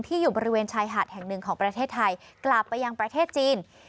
อยู่บริเวณชายหาดแห่งหนึ่งของประเทศไทยกลับไปยังประเทศจีน